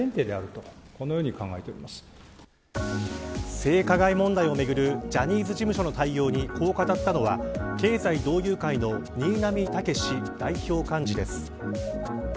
性加害問題をめぐるジャニーズ事務所の対応にこう語ったのは経済同友会の新浪剛史代表幹事です。